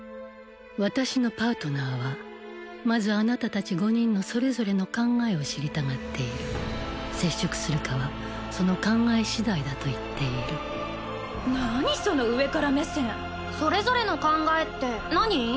私のパートナーはまずあなた達５人のそれぞれの考えを知りたがっている接触するかはその考え次第だと言っている何その上から目線それぞれの考えって何？